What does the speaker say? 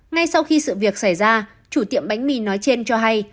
ngay sau khi sự việc xảy ra chủ tiệm bánh mì nói trên cho hay